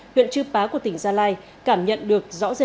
huyện chư pá của tỉnh giang